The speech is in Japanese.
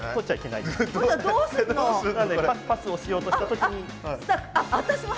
なのでパスをしようとした時に。